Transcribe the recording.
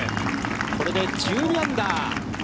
これで１２アンダー。